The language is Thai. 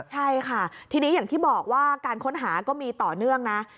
ใช่ค่ะทีนี้อย่างที่บอกว่าการค้นหาก็มีต่อเนื่องนะ